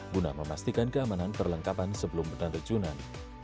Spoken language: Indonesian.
guna memastikan keamanan perlengkapan sebelum berjunan